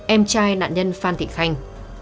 em trai nạn nhân phan thị khánh